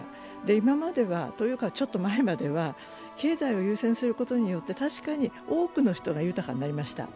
今まではというかちょっと前までは経済を優先することによって確かに多くの人が豊かになりました。